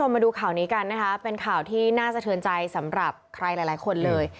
มาดูข่าวนี้กันนะคะเป็นข่าวที่น่าสะเทือนใจสำหรับใครหลายคนเลย